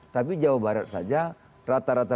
tapi jawa barat saja rata rata